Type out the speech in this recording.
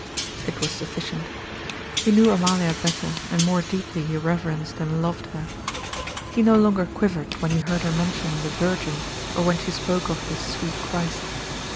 It was sufficient. He knew Amalia better, and more deeply he reverenced and loved her. He no longer quivered when he heard her mention the "Virgin" or when she spoke of the "Sweet Christ."